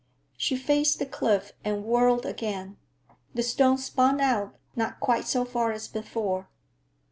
She faced the cliff and whirled again. The stone spun out, not quite so far as before.